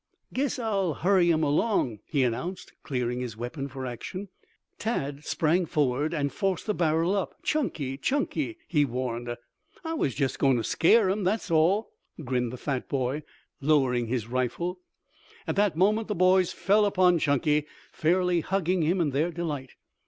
"Guess I'll hurry 'em along," he announced, clearing his weapon for action. Tad sprang forward and forced the barrel up. "Chunky, Chunky!" he warned. "I was just going to scare 'em, that's all," grinned the fat boy, lowering his rifle. At that moment the boys fell upon Chunky, fairly hugging him in their delight.